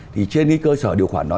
thì trên cái cơ sở điều khoản đó